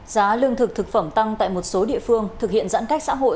giá lương thực thực phẩm tăng tại một số địa phương thực hiện giãn cách xã hội